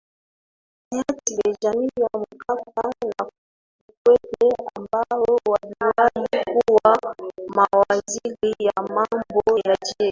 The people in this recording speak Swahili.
Hayati Benjamin Mkapa na Kikwete ambao waliwahi kuwa mawaziri wa mambo ya nje